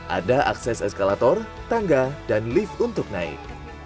ada akses eskalator tangga dan lift untuk naik